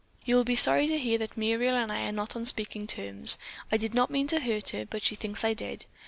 "You will be sorry to hear that Muriel and I are not on speaking terms. I did not mean to hurt her, but she thinks I did.